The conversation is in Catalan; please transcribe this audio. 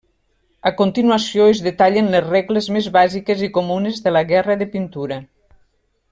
A continuació es detallen les regles més bàsiques i comunes de la guerra de pintura.